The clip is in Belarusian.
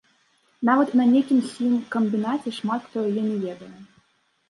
Нават і на нейкім хімкамбінаце шмат хто яе не ведае.